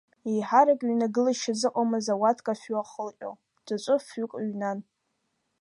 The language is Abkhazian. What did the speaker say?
Еиҳарак ҩнагылашьа зыҟамыз ауатка фҩы ахылҟьо, ҵәыҵәы фҩык ҩнан.